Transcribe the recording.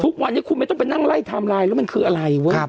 ทุกวันนี้คุณไม่ต้องไปนั่งไล่ไทม์ไลน์แล้วมันคืออะไรเว้ย